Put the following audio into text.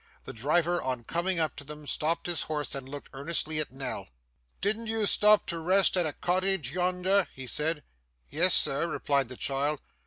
The driver on coming up to them stopped his horse and looked earnestly at Nell. 'Didn't you stop to rest at a cottage yonder?' he said. 'Yes, sir,' replied the child.